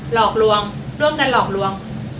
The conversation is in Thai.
หลอกลวงร่วมกันหลอกลวง